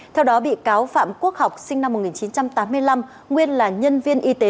theo đó bị cáo phạm quốc học sinh năm một nghìn chín trăm tám mươi năm nguyên là nhân viên y tế